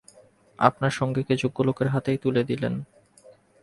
আপনার সঙ্গীকে যোগ্য লোকের হাতেই তুলে দিলেন।